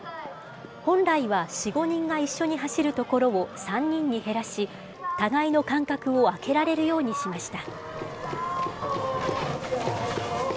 本来は４、５人が一緒に走るところを３人に減らし、互いの間隔を空けられるようにしました。